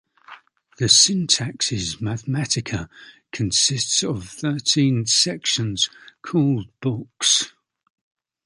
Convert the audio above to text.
The "Syntaxis Mathematica" consists of thirteen sections, called books.